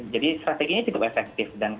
jadi strateginya cukup efektif